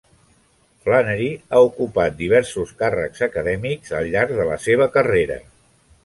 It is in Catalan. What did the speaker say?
Flannery ha ocupat diversos càrrecs acadèmics al llarg de la seva carrera.